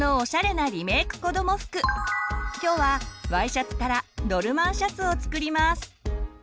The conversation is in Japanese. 今日はＹシャツから「ドルマンシャツ」を作ります。